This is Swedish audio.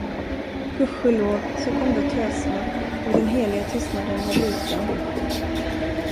Gudskelov, så kom då töserna, och den heliga tystnaden var bruten.